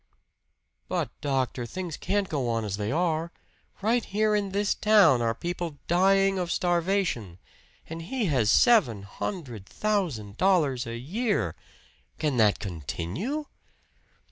"But, doctor, things can't go on as they are! Right here in this town are people dying of starvation. And he has seven hundred thousand dollars a year! Can that continue?"